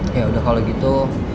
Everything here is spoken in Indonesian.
ya udah kalau gitu